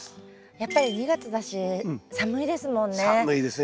やっぱり２月だし寒いですもんね。